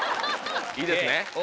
いいですね？